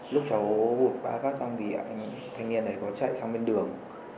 lúc cháu vụt ba phát xong thì thanh niên ấy có chạy sang bên đường